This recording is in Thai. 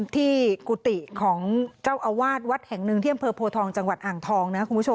ที่กุฏิของเจ้าอวาสวัดแห่งหนึ่งเที่ยวเผอร์โยทองจังหวัดอ่างทอง